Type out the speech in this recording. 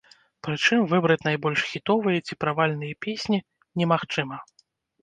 Прычым, выбраць найбольш хітовыя ці правальныя песні немагчыма.